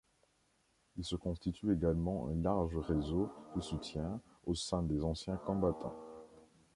Il se constitue également un large réseau de soutien au sein des anciens combattants.